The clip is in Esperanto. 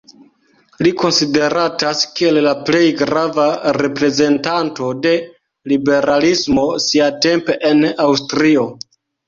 Li konsideratas kiel la plej grava reprezentanto de liberalismo siatempe en Aŭstrio.